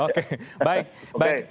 oke baik baik